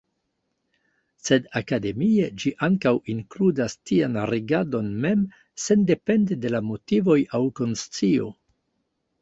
Sed akademie, ĝi ankaŭ inkludas tian regadon mem, sendepende de la motivoj aŭ konscio.